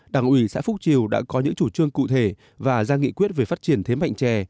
đảng ủy xã phúc triều đã có những chủ trương cụ thể và ra nghị quyết về phát triển thế mạnh trè